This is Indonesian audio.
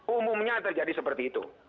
umumnya terjadi seperti itu